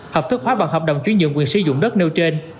hợp thức hóa bằng hợp đồng chuyển dựng quyền sử dụng đất nêu trên